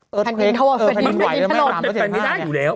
เป็ดแปลนไม่ได้อยู่แล้ว